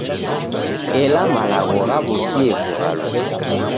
Ela malagho ghaw'okie kughaluka.